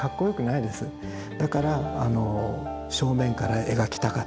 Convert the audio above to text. だからあの正面から描きたかった。